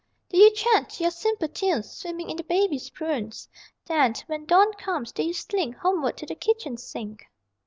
Do you chant your simple tunes Swimming in the baby's prunes? Then, when dawn comes, do you slink Homeward to the kitchen sink?